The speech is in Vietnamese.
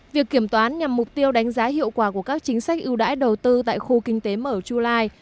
việc kiểm toán nhằm mục tiêu đánh giá hiệu quả của các chính sách ưu đãi đầu tư tại khu kinh tế mở chu lai